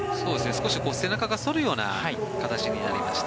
少し背中が反る形になりました。